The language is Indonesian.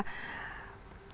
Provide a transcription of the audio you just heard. jadi beliau ingin mengatakan bahwa